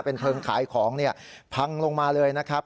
เป็นเพลิงขายของพังลงมาเลยนะครับ